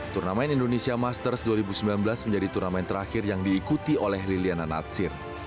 turnamen indonesia masters dua ribu sembilan belas menjadi turnamen terakhir yang diikuti oleh liliana natsir